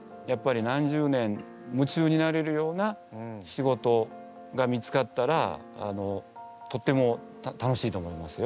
何十年夢中になれるような仕事が見つかったらとっても楽しいと思いますよ。